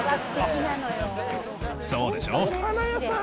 そうでしょ。